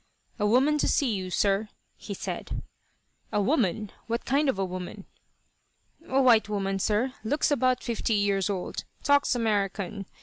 "A woman to see you, sir," he said. "A woman? What kind of a woman?" "A white woman, sir. Looks about fifty years old. Talks American.